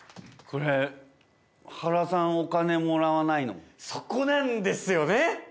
これ、原さん、お金もらわなそこなんですよね。